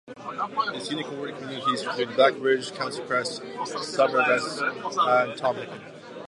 Its unincorporated communities include Black Ridge, Council Crest, Sybertsville, and Tomhicken.